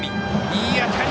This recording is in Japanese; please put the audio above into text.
いい当たり！